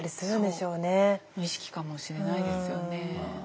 無意識かもしれないですよね。